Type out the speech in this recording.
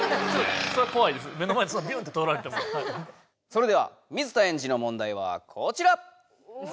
それでは水田エンジの問題はコチラ！